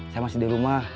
saya masih di rumah